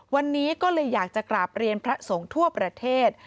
วันนี้ก็เลยอยากจะกราบเรียนพระสงฆ์ทั่วประเทศ